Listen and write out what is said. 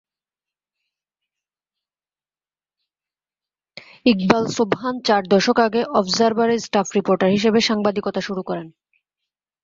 ইকবাল সোবহান চার দশক আগে অবজারভার-এ স্টাফ রিপোর্টার হিসেবে সাংবাদিকতা শুরু করেন।